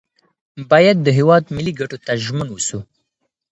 باید د هیواد ملي ګټو ته ژمن اوسو.